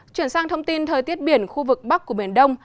chuyển sang thông tin thời tiết biển khu vực bắc của biển đông